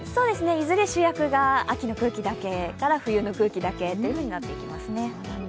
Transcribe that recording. いずれ主役が秋の空気だけから冬の空気だけになっていきます。